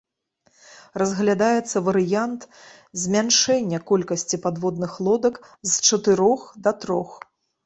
Разглядаецца варыянт змяншэння колькасці падводных лодак з чатырох да трох.